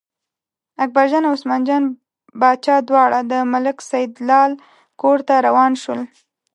اکبرجان او عثمان جان باچا دواړه د ملک سیدلال کور ته روان شول.